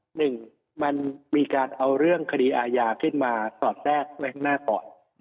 หนึ่งมันมีการเอาเรื่องคดีอาญาขึ้นมาสอดแทรกไว้ข้างหน้าก่อน